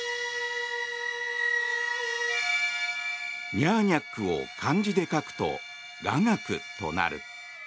ニャーニャックを漢字で書くと雅楽となる。